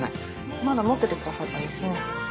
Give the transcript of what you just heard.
まだ持っててくださったんですね。